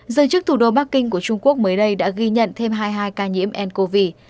giới chức thủ đô bắc kinh của trung quốc mới đây đã ghi nhận thêm hai mươi hai ca nhiễm ncov